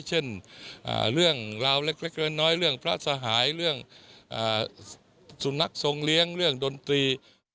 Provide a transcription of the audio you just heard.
เช่นเรื่องราวเล็กน้อยเรื่องพระสหายเรื่องสุนัขทรงเลี้ยงเรื่องดนตรี